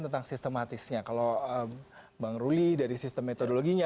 jangan kebanyakan pada cerita berikutnya